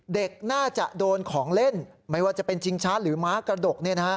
เด็กน่าจะโดนของเล่นไม่ว่าจะเป็นชิงช้าหรือม้ากระดก